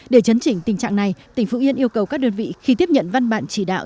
để chấn chỉnh tình trạng này tỉnh phú yên yêu cầu các đơn vị khi tiếp nhận văn bản chỉ đạo